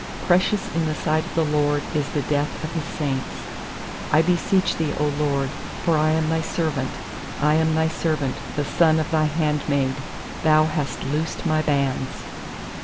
15Precious in the sight of the LORD Is the death of His saints. 16I beseech Thee, 0 LORD, for I am Thy servant; I am Thy servant, the son of Thy handmaid; Thou hast loosed my bands.